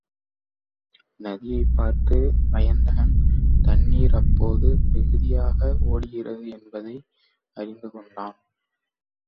நதியைப் பார்த்த வயந்தகன் தண்ணீர் அப்போது மிகுதியாக ஒடுகிறது என்பதை அறிந்துகொண்டான்.